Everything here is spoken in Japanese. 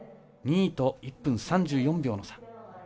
２位と１分３４秒の差。